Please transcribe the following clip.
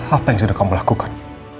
apa yang sudah kamu lakukan